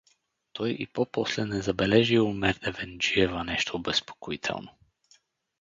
Той, и по-после, не забележи у Мердевенджиева нещо обезпокоително.